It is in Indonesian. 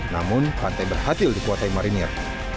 namun pantai berhasil dikuasai marinir